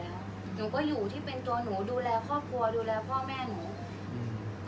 อันไหนที่มันไม่จริงแล้วอาจารย์อยากพูด